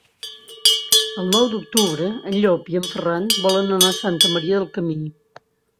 El nou d'octubre en Llop i en Ferran volen anar a Santa Maria del Camí.